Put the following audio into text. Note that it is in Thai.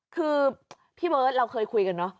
คือพี่เบิร์ตเราเคยคุยกันเนอะ